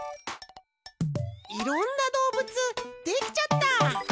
いろんなどうぶつできちゃった！